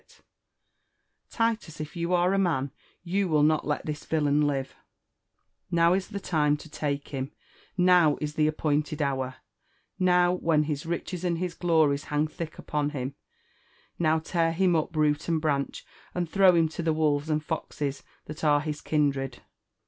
Titus, if you are a man, you will not let this villain live I Now sit LirB ANB ADVBNTUIIES OV a the time te take him^^now is the appointed hour ; now^ when bis riches and his glories hang (hick upon liim — now tear him up root and branch, and throw him to the wolves and foies» that are his kindred."